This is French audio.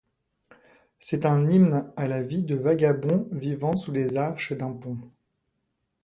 C’est un hymne à la vie de vagabonds vivant sous les arches d’un pont.